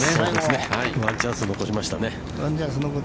◆ワンチャンスを残しましたね。